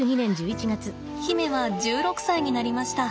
媛は１６歳になりました。